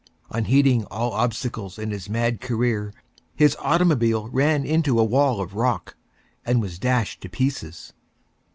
Unheeding all Obstacles in his Mad Career, his Automobile ran into a Wall of Rock, and was dashed to Pieces.